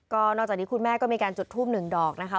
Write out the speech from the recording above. ก็นอกจากนี้คุณแม่ก็มีการจุดทูปหนึ่งดอกนะคะ